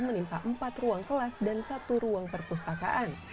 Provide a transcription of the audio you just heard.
menimpa empat ruang kelas dan satu ruang perpustakaan